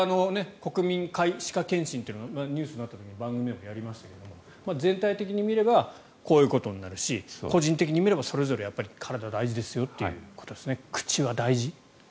国民皆歯科検診がニュースになった時番組でもやりましたが全体的に見ればこういうことになるし個人的に見ればそれぞれ体が大事ですよってことですね。